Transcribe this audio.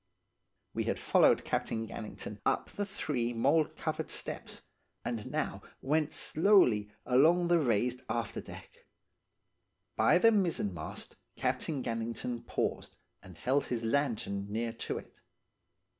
"We had followed Captain Gannington up the three mould covered steps, and now went slowly along the raised after deck. By the mizzenmast Captain Gannington paused, and held his lantern near to it.